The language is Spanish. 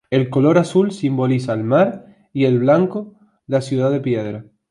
El color azul simboliza el mar y el blanco la ciudad de piedra.